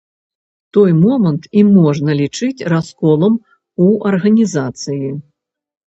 Той момант і можна лічыць расколам у арганізацыі.